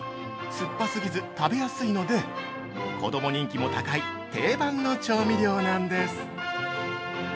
酸っぱすぎず食べやすいので子供人気も高い定番の調味料なんです。